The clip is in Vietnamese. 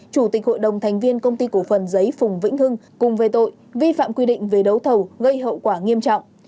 chủ tịch hội đồng thành viên công ty cổ phần giấy phùng vĩnh hưng cùng về tội vi phạm quy định về đấu thầu gây hậu quả nghiêm trọng